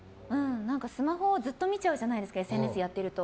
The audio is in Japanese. スマホ、ずっと見ちゃうじゃないですかＳＮＳやってると。